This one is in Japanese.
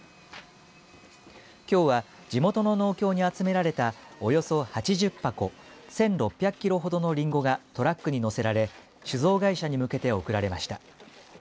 きょうは地元の農協に集められたおよそ８０箱１６００キロほどのりんごがトラックに乗せられ酒造会社に向けて送られました。